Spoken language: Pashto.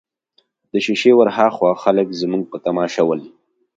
د شېشې ورهاخوا خلک زموږ په تماشه ول.